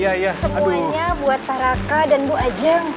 semuanya buat pak raka dan bu ajeng